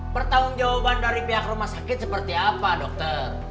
pertanggung jawaban dari pihak rumah sakit seperti apa dokter